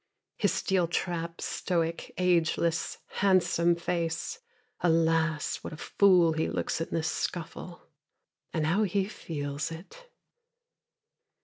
His steel trap, stoic, ageless, handsome face. Alas, what a fool he looks in this scuffle. And how he feels it!